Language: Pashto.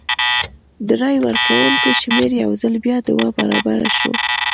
د رای ورکوونکو شمېر یو ځل بیا دوه برابره شو.